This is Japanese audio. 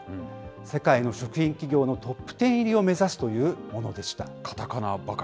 世界の食品企業のトップ１０入りを目指すというものでした。